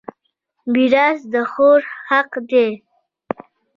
میراث د خور حق دی.